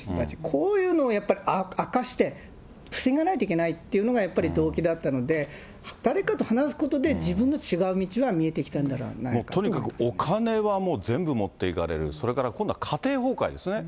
こういうのをやっぱり明かして、防がないといけないっていうのが、やっぱり動機だったので、誰かと話すことで、自分の違う道が見えてきたんではないかととにかくお金はもう全部持っていかれる、それから今度は家庭崩壊ですね。